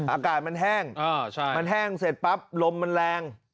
อากาศมันแห้งมันแห้งเสร็จปั๊บลมมันแรง